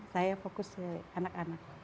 saya fokus ke anak anak